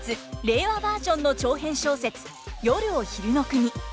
令和バージョンの長編小説「夜を昼の國」。